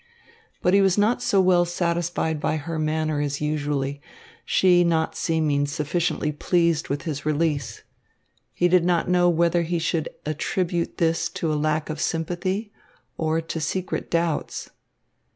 But he was not so well satisfied by her manner as usually, she not seeming sufficiently pleased with his release. He did not know whether he should attribute this to lack of sympathy or to secret doubts.